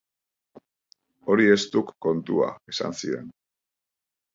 Hori eztuk kontua, esan zidan.